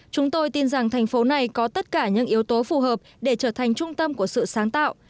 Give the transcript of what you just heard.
chúng tôi tin rằng thành phố này có tất cả những yếu tố phù hợp để trở thành trung tâm của sự sáng tạo